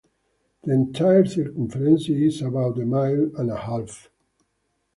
The entire circumference is about a mile and a half.